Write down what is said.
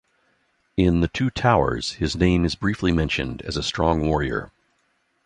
In "The Two Towers", his name is briefly mentioned as a strong warrior.